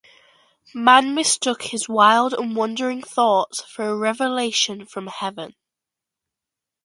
Man mistook his wild and wandering thoughts for a revelation from heaven.